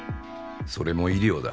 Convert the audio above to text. それも医療だ。